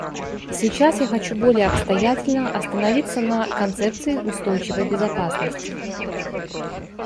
Сейчас я хочу более обстоятельно остановиться на концепции "устойчивой безопасности".